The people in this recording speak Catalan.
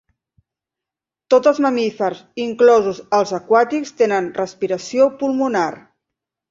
Tots els mamífers, inclosos els aquàtics, tenen respiració pulmonar.